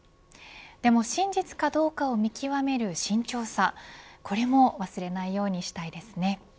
でも真実かどうかを見極める慎重さこれも忘れないようにしたいですね。